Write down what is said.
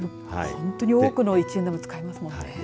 本当に多くの一円玉使いますもんね。